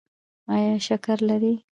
ایا شکر لرئ؟